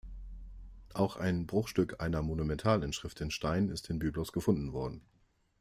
Auch ein Bruchstück einer Monumental-Inschrift in Stein ist in Byblos gefunden worden.